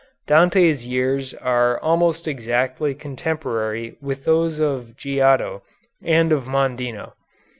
Dante's years are almost exactly contemporary with those of Giotto and of Mondino.